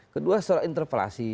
kedua soal interpelasi